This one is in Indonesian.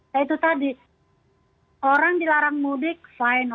ya itu tadi orang dilarang mudik baiklah